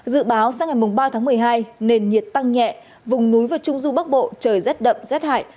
dự báo sang ngày ba tháng một mươi hai nền nhiệt tăng nhẹ vùng núi và trung du bắc bộ trời rét đậm rét hại